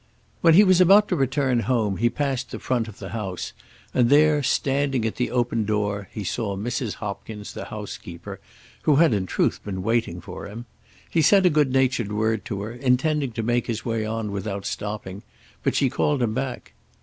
When he was about to return home he passed the front of the house, and there, standing at the open door, he saw Mrs. Hopkins, the housekeeper, who had in truth been waiting for him. He said a good natured word to her, intending to make his way on without stopping, but she called him back.